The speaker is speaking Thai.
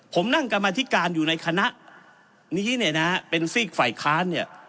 ผมนั่งกรรมธิการอยู่ในคณะนี้เนี่ยนะเป็นซีกฝ่ายค้านเนี่ย